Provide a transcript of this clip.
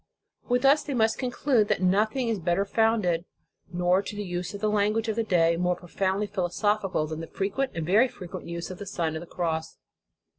With us they must conclude that nothing is better founded, or, to use the language of the day, more profoundly philosophical than the fre quent, and very frequent use of the Sign of the Cross.